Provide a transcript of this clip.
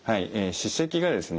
歯石がですね